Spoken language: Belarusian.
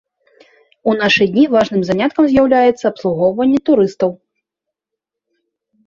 У нашы дні важным заняткам з'яўляецца абслугоўванне турыстаў.